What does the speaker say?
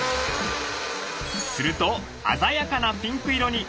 すると鮮やかなピンク色に。